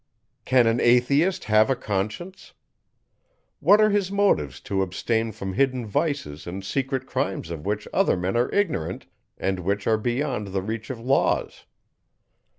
"Can an Atheist have a Conscience? What are his motives to abstain from hidden vices and secret crimes of which other men are ignorant, and which are beyond the reach of laws?"